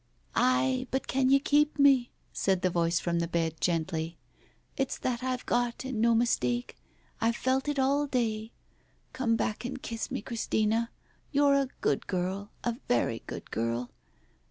" Ay, but can you keep me ?" said the voice from the bed gently. "It's that I've got and no mistake. I've felt it all day. ... Come back and kiss me, Christina. You're a good girl — a very good girl.